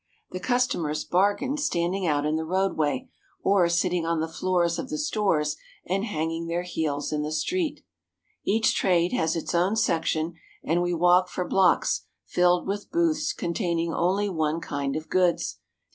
The customers bargain standing out in the roadway, or sitting on the floors of the stores and hanging their heels in the street. Each trade has its own section and we walk for blocks filled with booths containing only one kind of goods.